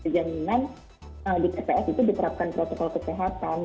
jaminan di tps itu diterapkan protokol kesehatan